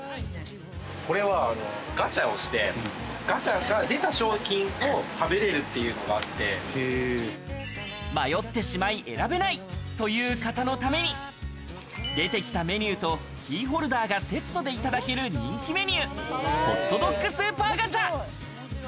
これはガチャをしてガチャが出た商品を食べれるっていうのがあって、迷ってしまい、選べないという方のために出てきたメニューとキーホルダーがセットでいただける人気メニュー、ホットドッグスーパーガチャ。